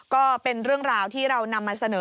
ก็เป็นเรื่องราวที่เรานำมาเสนอ